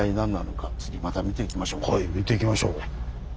はい見ていきましょう。